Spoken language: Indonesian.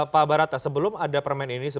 pak baratta sebelum ada permainan ini